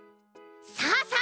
さあさあ